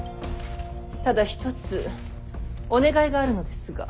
ただ一つお願いがあるのですが。